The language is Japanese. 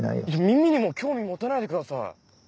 耳にも興味持たないでください